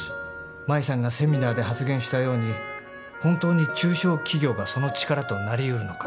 舞さんがセミナーで発言したように本当に中小企業がその力となりうるのか。